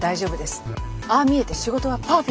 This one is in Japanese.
ああ見えて仕事はパーフェクトですから。